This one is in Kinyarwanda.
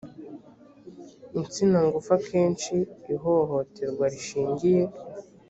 insina ngufi akenshi ihohoterwa rishingiye